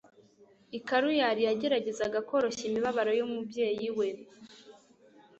I Kaluyari yageragezaga koroshya imibabaro y'umubyeyi we.